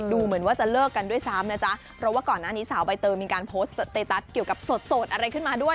เหมือนว่าจะเลิกกันด้วยซ้ำนะจ๊ะเพราะว่าก่อนหน้านี้สาวใบเตยมีการโพสต์สเตตัสเกี่ยวกับสดอะไรขึ้นมาด้วย